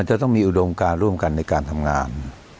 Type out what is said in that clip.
จะต้องมีอุดมการร่วมกันในการทำงาน